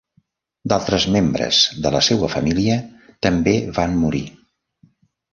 D'altres membres de la seua família també van morir.